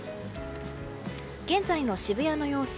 現在の渋谷の様子。